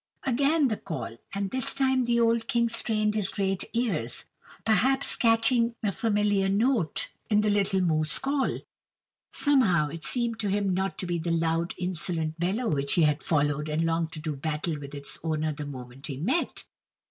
Again the call, and this time the old King strained his great ears, perhaps catching a familiar note in the little moose call. Somehow it seemed to him not to be the loud, insolent bellow which he had followed and longed to do battle with its owner the moment he met.